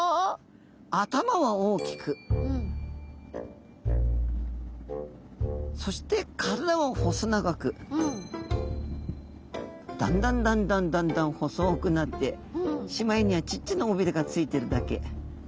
頭は大きくそして体は細長くだんだんだんだんだんだん細くなってしまいにはちっちゃな尾鰭がついてるだけ。